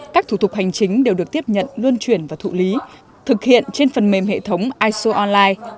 các thủ tục hành chính đều được tiếp nhận luân chuyển và thụ lý thực hiện trên phần mềm hệ thống iso online